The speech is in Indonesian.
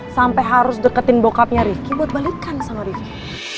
sampai harus deketin bokapnya rifki buat balikkan sama rifki